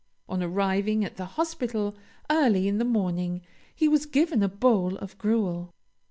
On arriving at the hospital early in the morning, he was given a bowl of gruel.